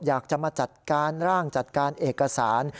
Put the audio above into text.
อยากจะมาจัดการร่างจัดการเอกสาร